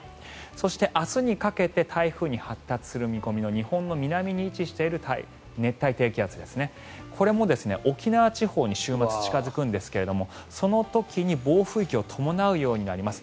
そして明日にかけて台風に発達する見込みの日本の南に位置している熱帯低気圧ですね、これも沖縄地方に週末、近付くんですがその時に暴風域を伴うようになります。